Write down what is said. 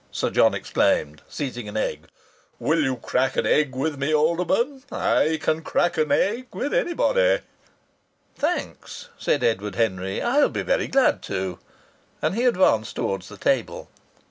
Sir John exclaimed, seizing an egg. "Will you crack an egg with me, Alderman? I can crack an egg with anybody." "Thanks," said Edward Henry. "I'll be very glad to." And he advanced towards the table.